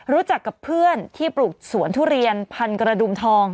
รู้จักกับเพื่อนที่ปลูกสวนทุเรียนพันกระดุมทอง